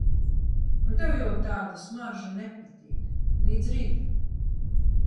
Un tev jau tāda smarža nepatīk. Līdz rītam...